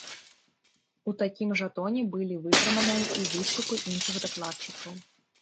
У такім жа тоне былі вытрыманыя і выступы іншых дакладчыкаў.